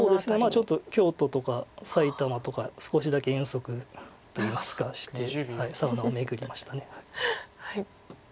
ちょっと京都とか埼玉とか少しだけ遠足といいますかしてサウナを巡りました。